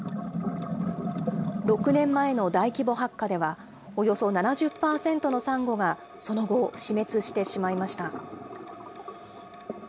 ６年前の大規模白化では、およそ７０％のサンゴがその後、死滅してしまいました。